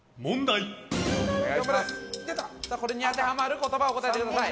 これに当てはまる言葉を答えてください。